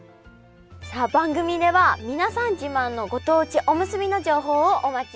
さあ番組では皆さん自慢のご当地おむすびの情報をお待ちしています。